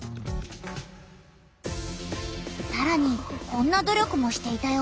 さらにこんな努力もしていたよ。